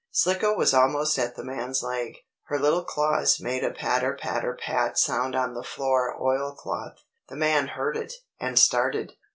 Slicko was almost at the man's leg. Her little claws made a patter patter pat sound on the floor oilcloth. The man heard it, and started.